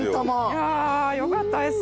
いやあよかったです。